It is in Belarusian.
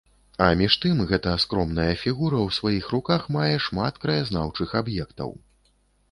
А між тым гэта скромная фігура ў сваіх руках мае шмат краязнаўчых аб'ектаў.